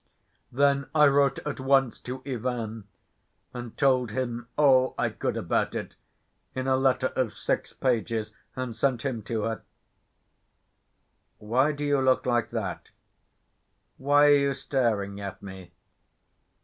Then I wrote at once to Ivan, and told him all I could about it in a letter of six pages, and sent him to her. Why do you look like that? Why are you staring at me?